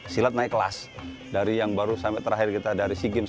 silat naik kelas dari yang baru sampai terakhir kita dari sea games